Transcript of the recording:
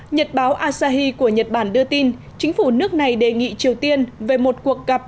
nhật báo asahi của nhật bản đưa tin chính phủ nước này đề nghị triều tiên về một cuộc gặp